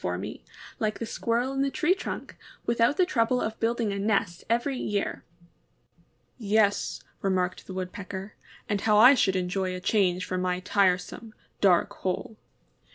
for me, like the Squirrel in the tree trunk, with out the trouble of building a nest every year." ^^Yes," remarked the Woodpecker, ^^and how I should enjoy a change from my tire some, dark hole."